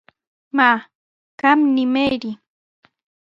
Maa, qam nimayri.